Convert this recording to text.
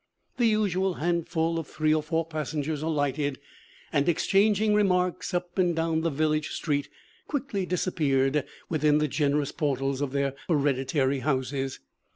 The usual handful of three or four passengers alighted, and exchanging remarks up and down the village street, quickly disappeared within the generous portals of their hereditary houses.